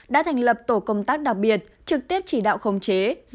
đã thành lập tổ công tác đặc biệt trực tiếp chỉ đạo khống chế